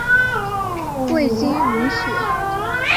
未经允许